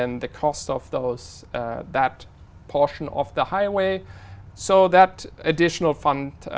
kết hợp trong chính phủ